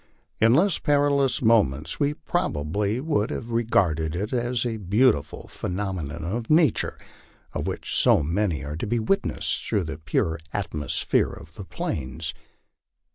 In less perilous moments we probably would have regarded it as a beautiful phenomenon of nature, of which so many are to be witnessed through the pure atmosphere of the plains.